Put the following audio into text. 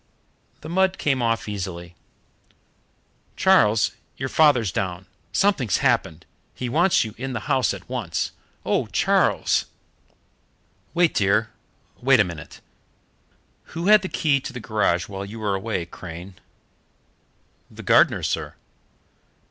The mud came off easily. "Charles, your father's down. Something's happened. He wants you in the house at once. Oh, Charles!" "Wait, dear, wait a minute. Who had the key to the garage while you were away, Crane?" "The gardener, sir."